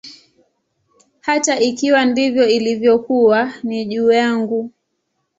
Hata ikiwa ndivyo ilivyokuwa, ni juu yangu.